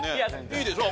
いいでしょ